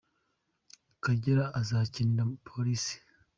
Kagere azakinira Police